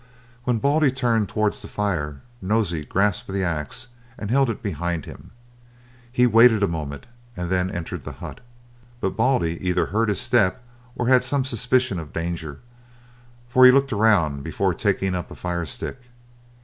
When Baldy turned towards the fire, Nosey grasped the axe and held it behind him. He waited a moment, and then entered the hut; but Baldy either heard his step, or had some suspicion of danger, for he looked around before takingup a firestick.